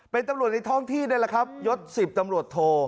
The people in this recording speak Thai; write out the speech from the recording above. เป็นตำรวจในท่องที่นี่แหละครับยก๑๐ต่อ